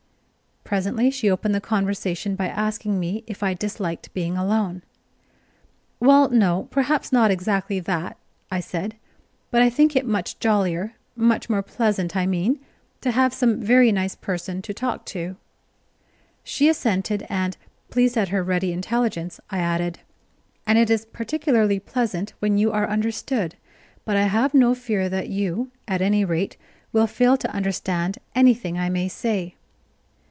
Presently she opened the conversation by asking me if I disliked being alone. "Well, no, perhaps not exactly that," I said; "but I think it much jollier much more pleasant, I mean to have some very nice person to talk to." She assented, and, pleased at her ready intelligence, I added: "And it is particularly pleasant when you are understood. But I have no fear that you, at any rate, will fail to understand anything I may say."